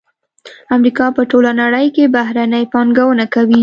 امریکا په ټوله نړۍ کې بهرنۍ پانګونه کوي